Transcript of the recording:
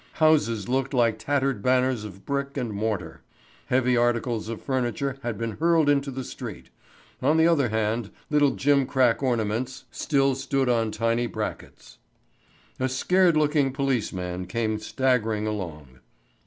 Houses looked like tattered banners of brick and mortar. Heavy articles of furniture had been hurled into the street; on the other hand, little gimcrack ornaments still stood on tiny brackets. A scared looking policeman came staggering along.